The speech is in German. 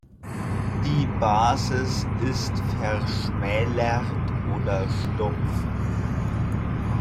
Die Basis ist verschmälert oder stumpf.